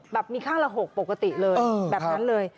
มีข้างละ๖ปกติเลยแบบนั้นเลย